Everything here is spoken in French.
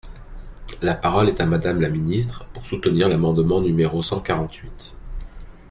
La parole est à Madame la ministre, pour soutenir l’amendement numéro cent quarante-huit.